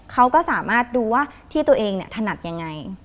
เขาก็สามารถดูว่าที่ตัวเองถนัดยังไง